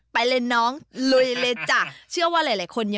พร้อมเลย